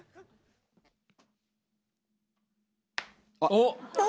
おっ！